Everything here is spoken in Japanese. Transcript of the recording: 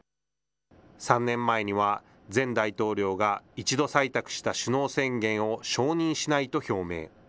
３年前には、前大統領が一度採択した首脳宣言を承認しないと表明。